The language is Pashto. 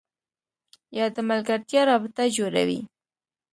یا د ملګرتیا رابطه جوړوي